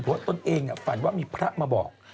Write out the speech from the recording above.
เพราะตนเองฝันว่ามีพระมาบอก